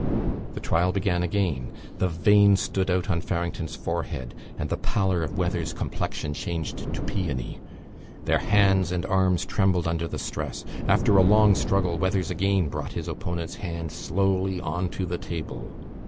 The trial began again. The veins stood out on Farrington's forehead, and the pallor of Weathers' complexion changed to peony. Their hands and arms trembled under the stress. After a long struggle Weathers again brought his opponent's hand slowly on to the table.